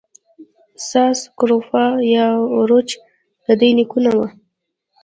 ساس سکروفا یا اوروچ د دوی نیکونه وو.